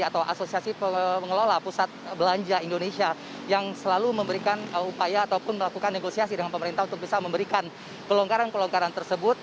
atau asosiasi pengelola pusat belanja indonesia yang selalu memberikan upaya ataupun melakukan negosiasi dengan pemerintah untuk bisa memberikan pelonggaran pelonggaran tersebut